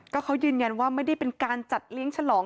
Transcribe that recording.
ก็เขายืนยันว่าไม่ได้เป็นการจัดเลี้ยงฉลอง